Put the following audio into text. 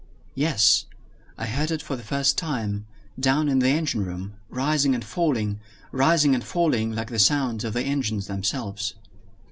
"Yes, I heard it for the first time down in the engine room; rising and falling, rising and falling, like the sound of the engines themselves."